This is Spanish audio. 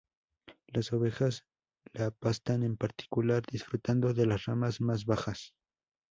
Las ovejas la pastan en particular, disfrutando de las ramas más bajas.